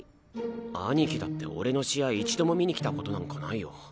兄貴だって俺の試合一度も観に来たことなんかないよ。